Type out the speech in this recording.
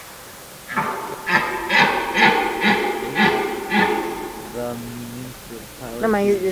The municipality contains part of the Jamanxim National Park, a protected area.